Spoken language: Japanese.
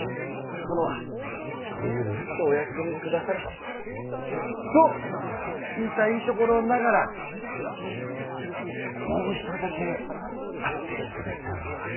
殿はごゆるりとお休みくだされ。と言いたいところながらもう一人だけ会っていただきたい者が。